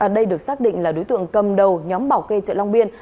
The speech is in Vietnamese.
đây được xác định là đối tượng cầm đầu nhóm bảo kê chợ long biên